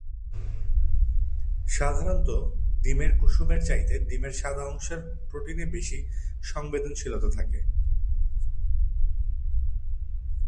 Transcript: সাধারণত, ডিমের কুসুম এর চাইতে ডিমের সাদা অংশের প্রোটিনে বেশি সংবেদনশীলতা থাকে।